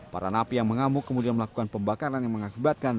para napi yang mengamuk kemudian melakukan pembakaran yang mengakibatkan